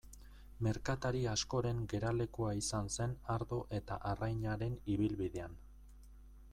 Merkatari askoren geralekua izan zen ardo eta arrainaren ibilbidean.